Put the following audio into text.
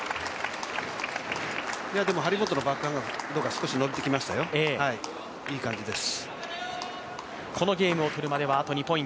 でも、張本のバックハンドが少し伸びてきましたよ、いい感じです。